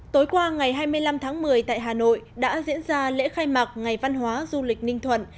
tối qua ngày hai mươi năm tháng một mươi tại hà nội đã diễn ra lễ khai mạc ngày văn hóa du lịch ninh thuận